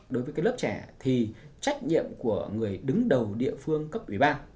đối với lớp trẻ thì trách nhiệm của người đứng đầu địa phương cấp ủy ban là có trách nhiệm